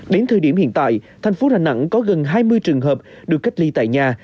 đến thời điểm hiện tại thành phố đà nẵng có gần hai mươi trường hợp được cách ly tại nhà